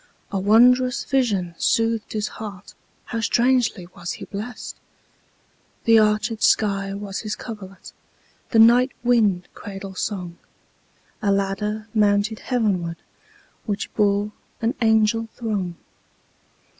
A wondrous vision soothed his heartHow strangely was he blessed! The arched sky was his coverlet, The night wind cradle song;A ladder mounted heavenwardWhich bore an angel throng.